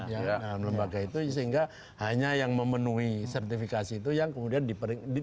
dalam lembaga itu sehingga hanya yang memenuhi sertifikasi itu yang kemudian diperlukan